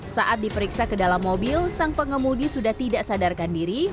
saat diperiksa ke dalam mobil sang pengemudi sudah tidak sadarkan diri